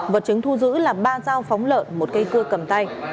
vật chứng thu giữ là ba giao phóng lợn một cây cưa cầm tay